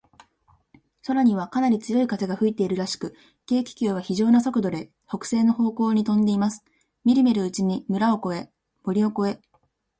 空には、かなり強い風が吹いているらしく、軽気球は、ひじょうな速度で、北西の方向にとんでいます。みるみるうちに村を越え、森を越え、